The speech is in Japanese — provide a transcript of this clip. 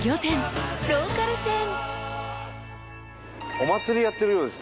お祭りやってるようです